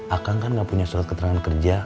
akang kan nggak punya surat keterangan kerja